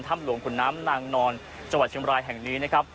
หลวงขุนน้ำนางนอนจังหวัดเชียงบรายแห่งนี้นะครับ